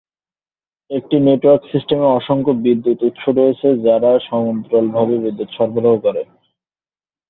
একটি নেটওয়ার্ক সিস্টেমে অসংখ্য বিদ্যুৎ উৎস রয়েছে যারা সমান্তরাল ভাবে বিদ্যুৎ সরবরাহ করে।